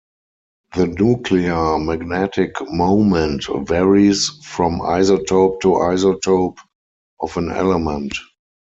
The nuclear magnetic moment varies from isotope to isotope of an element.